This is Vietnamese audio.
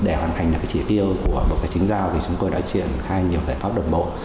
để hoàn thành được chỉ tiêu của bộ tài chính giao chúng tôi đã truyền khai nhiều giải pháp độc bộ